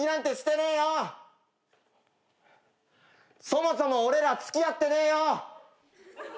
そもそも俺ら付き合ってねえよ！